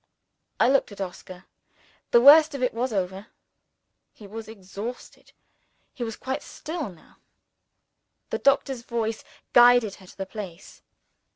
I looked at Oscar. The worst of it was over. He was exhausted he was quite still now. The doctor's voice guided her to the place.